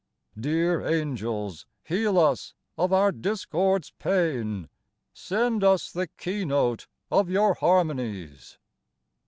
Dear angels, heal us of our discord's pain ! Send us the keynote of your harmonies